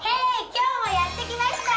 今日もやってきました